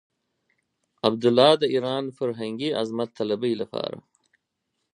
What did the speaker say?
عبدالله د ايران د فرهنګي عظمت طلبۍ لپاره.